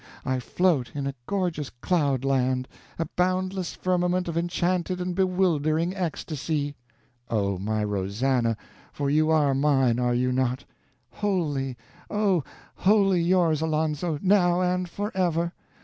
I float in a gorgeous cloud land, a boundless firmament of enchanted and bewildering ecstasy!" "Oh, my Rosannah! for you are mine, are you not?" "Wholly, oh, wholly yours, Alonzo, now and forever!